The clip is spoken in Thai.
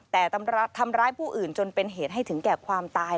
แต่ทำร้ายผู้อื่นจนเป็นเหตุให้ถึงแก่ความตาย